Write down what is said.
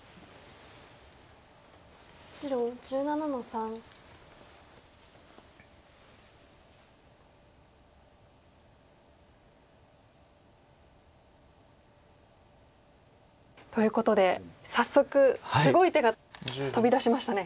白１７の三。ということで早速すごい手が飛び出しましたね。